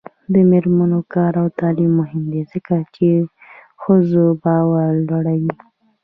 د میرمنو کار او تعلیم مهم دی ځکه چې ښځو باور لوړوي.